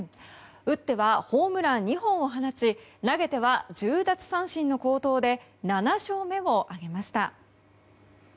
打ってはホームラン２本を放ち投げては１０奪三振の好投で７勝目を挙げました。